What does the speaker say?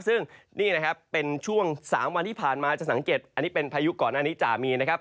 ซึ่งนี่นะครับเป็นช่วง๓วันที่ผ่านมาจะสังเกตอันนี้เป็นพายุก่อนหน้านี้จ่ามีนะครับ